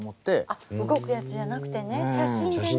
あっ動くやつじゃなくてね写真でね。